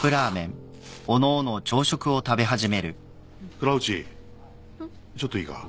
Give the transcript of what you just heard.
倉内ちょっといいか？